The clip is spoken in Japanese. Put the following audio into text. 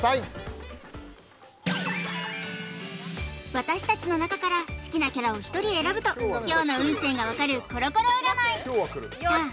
私達の中から好きなキャラを１人選ぶと今日の運勢が分かるコロコロ占いさあ